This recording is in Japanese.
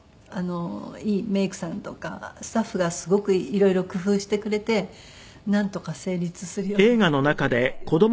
いいメイクさんとかスタッフがすごくいろいろ工夫してくれてなんとか成立するようにしてくれたんですけど。